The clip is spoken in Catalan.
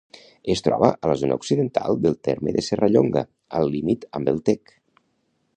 Es troba a la zona occidental del terme de Serrallonga, al límit amb el Tec.